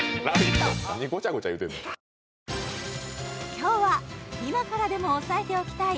今日は今からでも押さえておきたい